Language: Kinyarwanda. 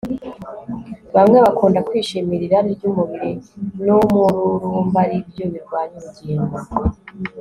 bamwe bakunda kwishimira irari ry'umubiri n'umururumba, ari byo birwanya ubugingo